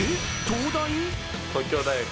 東大？